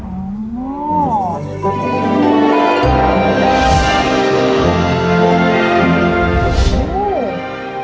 ว้าว